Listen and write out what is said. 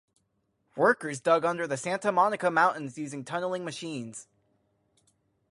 Workers dug under the Santa Monica Mountains using tunneling machines.